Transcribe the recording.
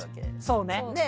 そうね。